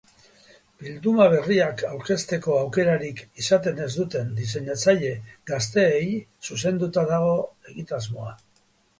Bilduma berriak aurkezteko aukerarik izaten ez duten diseinatzaile gazteei zuzenduta dago egitasmoa.